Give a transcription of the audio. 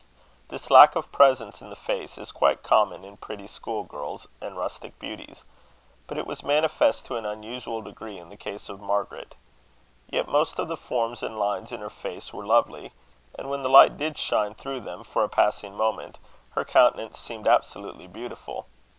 This lack of presence in the face is quite common in pretty school girls and rustic beauties; but it was manifest to an unusual degree in the case of Margaret. Yet most of the forms and lines in her face were lovely; and when the light did shine through them for a passing moment, her countenance seemed absolutely beautiful.